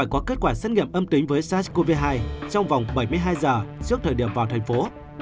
có kết quả xét nghiệm âm tính với sars cov hai trong vòng bảy mươi hai giờ trước thời điểm vào thành phố